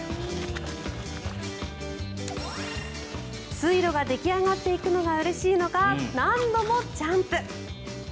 水路が出来上がっていくのがうれしいのか何度もジャンプ。